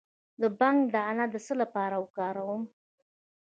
د بنګ دانه د څه لپاره وکاروم؟